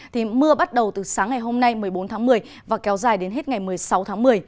thì mưa bắt đầu từ sáng ngày hôm nay một mươi bốn tháng một mươi và kéo dài đến hết ngày một mươi sáu tháng một mươi